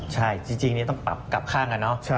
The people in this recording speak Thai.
ใช่จริงนี้ต้องปรับกลับข้างกันเนอะ